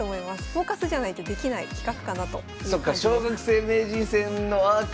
「フォーカス」じゃないとできない企画かなという感じです。